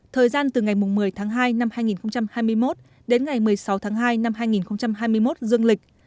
thời gian từ ngày một mươi tháng hai năm hai nghìn hai mươi một đến ngày một mươi sáu tháng hai năm hai nghìn hai mươi một dương lịch